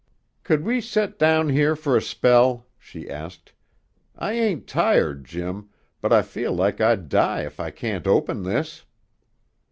"Could we set down here for a spell?" she asked. "I ain't tired, Jim, but I feel like I'd die if I can't open this!"